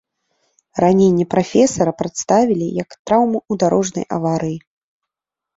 Раненне прафесара прадставілі як траўму ў дарожнай аварыі.